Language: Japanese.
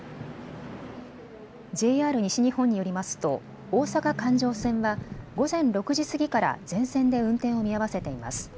ＪＲ西日本によりますと大阪環状線は午前６時過ぎから全線で運転を見合わせています。